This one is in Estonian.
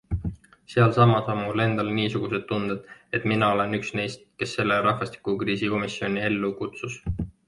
Sealsamas on mul endal niisugused tunded, et mina olen üks neist, kes selle rahvastikukriisi komisjoni ellu kutsus...